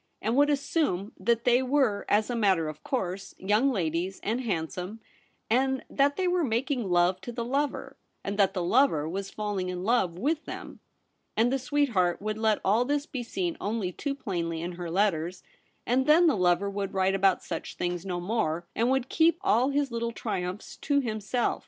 205 and would assume that they were, as a matter of course, young ladies and handsome, and that they were making love to the lover — and that the lover was falling in love with them — and the sweetheart would let all this be seen only too plainly in her letters ; and then the lover would write about such things no more, and would keep all his little tri umphs to himself.